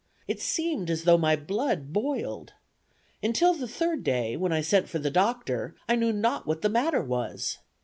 It seemed as though my blood boiled. Until the third day, when I sent for the doctor, I knew not what the matter was.